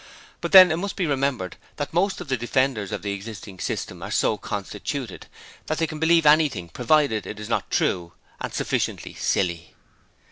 But then it must be remembered that most of the defenders of the existing system are so constituted, that they can believe anything provided it is not true and sufficiently silly.